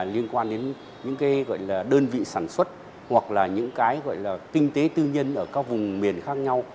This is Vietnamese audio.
liên quan đến những đơn vị sản xuất hoặc là những cái kinh tế tư nhân ở các vùng miền khác nhau